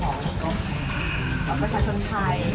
อย่างที่มันออกมาแล้วถ้ามีการถามใจอย่างนี้